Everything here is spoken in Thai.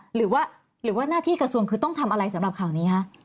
หรือว่าหน้าที่กระทรวงคือต้องทำอะไรสำหรับข่าวนี้คะ